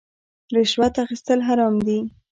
رشوت اخیستل حرام دي